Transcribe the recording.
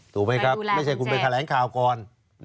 ถูกไหมครับไม่ใช่คุณไปแถลงข่าวก่อน